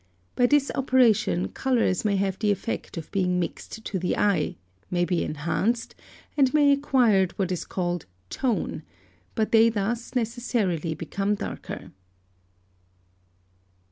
By this operation colours may have the effect of being mixed to the eye, may be enhanced, and may acquire what is called tone; but they thus necessarily become darker.